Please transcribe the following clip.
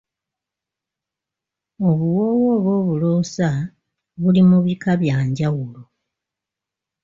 Obuwoowo oba obuloosa buli mu bika byanjawulo.